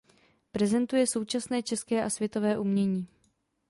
Prezentuje současné české a světové umění.